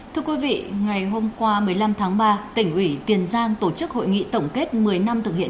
thưa quý vị ngày hôm qua một mươi năm tháng ba tỉnh ủy tiền giang tổ chức hội nghị tổng kết một mươi năm thực hiện